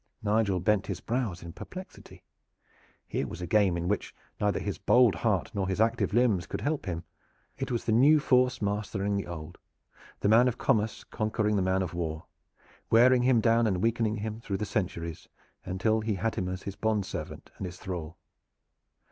Nigel bent his brows in perplexity. Here was a game in which neither his bold heart nor his active limbs could help him. It was the new force mastering the old: the man of commerce conquering the man of war wearing him down and weakening him through the centuries until he had him as his bond servant and his thrall.